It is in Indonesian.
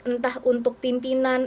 entah untuk pimpinan